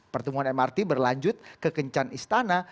pertemuan mrt berlanjut ke kencan istana